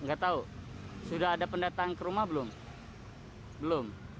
nggak tahu sudah ada pendatang ke rumah belum belum